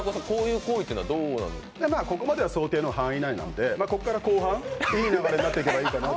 ここまでは想定の範囲内なんで、ここから後半、いいようになっていけばいいかなって。